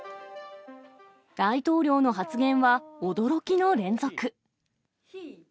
大統領の発言は、驚きの連続。